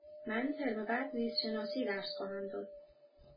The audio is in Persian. من ترم بعد زیست شناسی درس خواهم داد.